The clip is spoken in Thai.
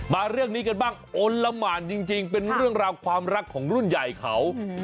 มาเรื่องนี้กันบ้างโอนละหมานจริงเป็นเรื่องราวความรักของรุ่นใหญ่เขา